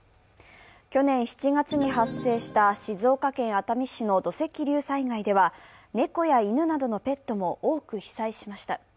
去年７月に発生した静岡県熱海市の土石流災害では猫や犬などのペットも多く被災しました。